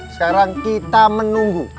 sekarang kita menunggu